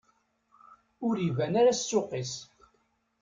Ur iban ara ssuq-is.